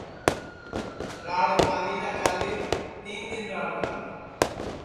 راڑ چالی نہ چالی تین دؔن راڑ چالی